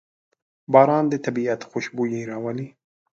باران د طبیعت خوشبويي راولي.